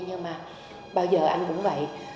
nhưng mà bao giờ anh cũng vậy